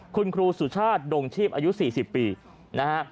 คุณครูสุชาติดงชีพอายุ๔๐ปีนะฮะ